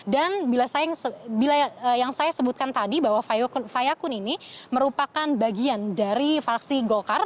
dan yang saya sebutkan tadi bahwa fayakun ini merupakan bagian dari fraksi golkar